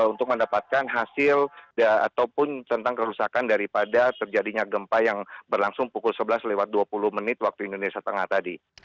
untuk mendapatkan hasil ataupun tentang kerusakan daripada terjadinya gempa yang berlangsung pukul sebelas lewat dua puluh menit waktu indonesia tengah tadi